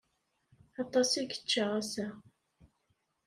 Aṭas i yečča ass-a.